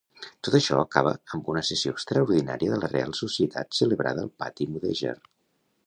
Tot això acaba amb una sessió extraordinària de la Reial Societat celebrada al pati mudèjar.